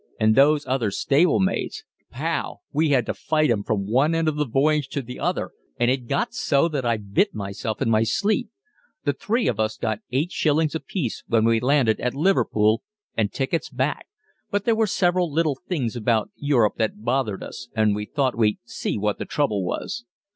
And those other stable maids! Pow! We had to fight 'em from one end of the voyage to the other, and it got so that I bit myself in my sleep. The three of us got eight shillings apiece when we landed at Liverpool, and tickets back, but there were several little things about Europe that bothered us, and we thought we'd see what the trouble was."